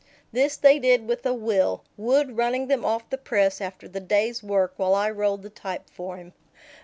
This they did with a will, Wood running them off the press after the day's work while I rolled the type for him.